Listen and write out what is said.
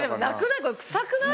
なくない？